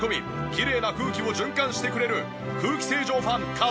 きれいな空気を循環してくれる空気清浄ファン風